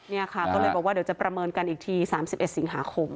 นี่ค่ะก็เลยบอกว่าเดี๋ยวจะประเมินกันอีกที๓๑สิงหาคม